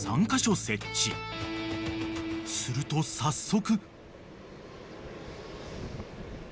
［すると早速］